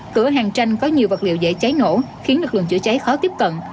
cửa hàng tranh có nhiều vật liệu dễ cháy nổ khiến lực lượng chữa cháy khó tiếp cận